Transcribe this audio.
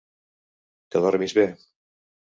Que dormis bé.